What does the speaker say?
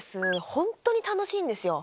本当に楽しいんですよ。